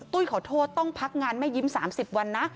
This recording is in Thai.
ขอโทษต้องพักงานไม่ยิ้ม๓๐วันนะ